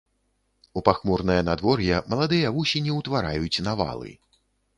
У пахмурнае надвор'е маладыя вусені ўтвараюць навалы.